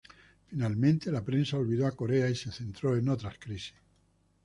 Finalmente la prensa olvidó a Corea y se centró en otras crisis.